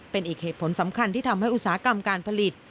เป็นอีกเหตุผลสำคัญที่ทำให้อุตสาหกรรมการผลิต